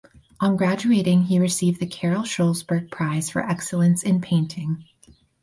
On graduating he received the Carol Schlosberg Prize for Excellence in Painting.